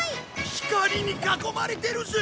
光に囲まれてるぜ！